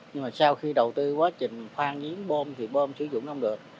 nhưng mà sau khi đầu tư quá trình khoan chiến bom thì bom sử dụng không được